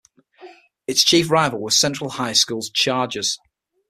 Its chief rival was Central High School's Chargers.